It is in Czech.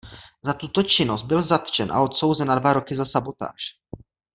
Za tuto činnost byl zatčen a odsouzen na dva roky za sabotáž.